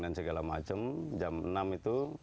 dan segala macam jam enam itu